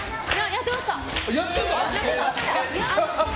やってました。